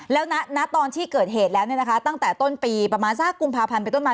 แล้วณตอนที่เกิดเหตุแล้วตั้งแต่ต้นปีประมาณสักกุมภาพันธ์ไปต้นมา